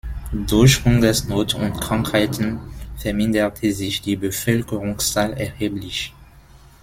Durch Hungersnot und Krankheiten verminderte sich die Bevölkerungszahl erheblich.